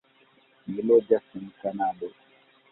Mi loĝas en Kanado.